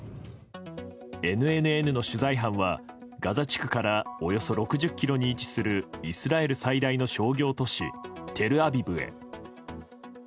ＮＮＮの取材班は、ガザ地区からおよそ６０ｋｍに位置するイスラエル最大の商業都市テルアビブへ。